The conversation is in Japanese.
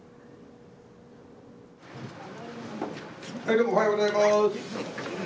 どうもおはようございます。